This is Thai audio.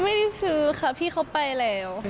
ไม่ได้ซื้อค่ะพี่เขาไปแล้ว